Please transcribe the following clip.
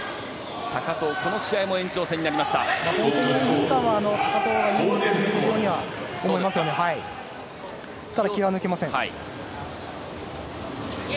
高藤、この試合も延長戦になりました。